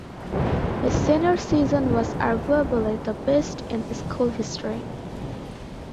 His senior season was arguably the best in school history.